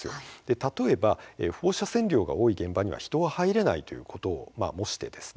例えば放射線量が多い現場には人は入れないということを模してですね